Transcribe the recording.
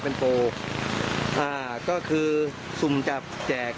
เป็นโปรอ่าก็คือสุ่มจับแจก